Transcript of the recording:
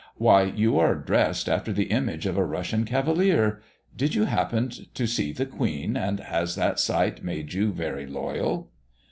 Why you are dressed after the image of a Russian cavalier. Did you happen to see the Queen, and has that sight made you so very loyal!"